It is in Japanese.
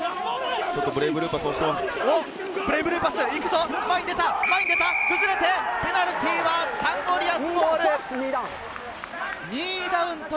ブレイブルーパス、前に出た、崩れて、ペナルティーはサンゴリアス！